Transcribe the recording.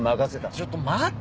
ちょっと待ってよ。